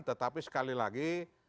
tetapi sekali lagi